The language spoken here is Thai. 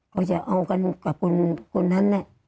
เขาจะเอากันกับคุณนั้น